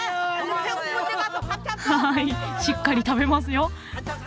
はいしっかり食べますよ。